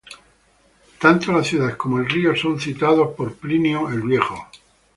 Tanto la ciudad como el río son citados por Plinio el Viejo.